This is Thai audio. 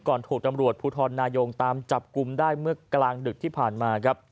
ถูกตำรวจภูทรนายงตามจับกลุ่มได้เมื่อกลางดึกที่ผ่านมาครับ